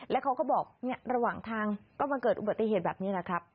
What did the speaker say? แล้วก็บอกระหว่างทางมาเกิดอุบัติเหตุแบบนี้